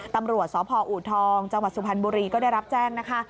ตำรวจสพอูทองจังหวัดสุพรรณบุรีก็ได้รับแจ้งนะคะ